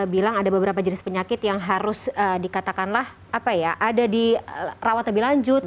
bilang ada beberapa jenis penyakit yang harus dikatakanlah apa ya ada di rawat lebih lanjut